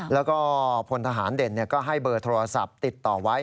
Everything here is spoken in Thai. แล้วก็พลทหารเด่นก็ให้เบอร์โทรศัพท์ติดต่อไว้